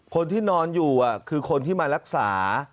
คนที่นอนอยู่คือคนที่มารักษา